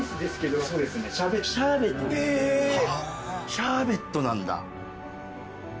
シャーベットなんだ。